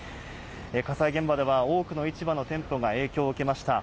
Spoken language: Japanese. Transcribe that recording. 火災現場では多くの市場のテントが影響を受けました。